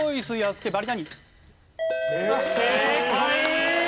正解！